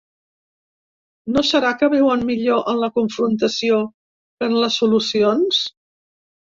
No serà que viuen millor en la confrontació que en les solucions?